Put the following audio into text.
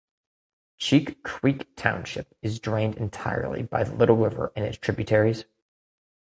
Cheek Creek Township is drained entirely by the Little River and its tributaries.